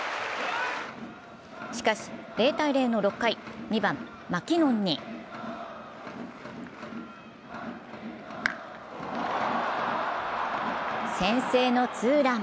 しかし、０−０の６回、２番・マキノンに先制のツーラン。